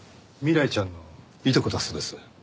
未来ちゃんのいとこだそうです。